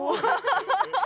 ハハハハ！